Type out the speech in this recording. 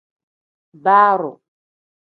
Baaroo.